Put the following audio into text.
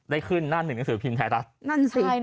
ได้ขึ้นหน้าหนึ่งหนังสือพิมศ์แท้ละนั่นสิ